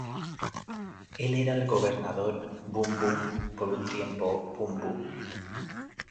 Él era el gobernador boom-boom por un tiempo boom-boom:.